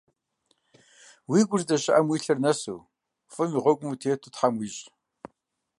Уи гур здэщыӏэм уи лъэр нэсу, фӏым и гъуэгум утету Тхьэм уищӏ!